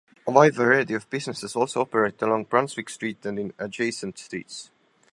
A wide variety of businesses also operate along Brunswick Street and in adjacent streets.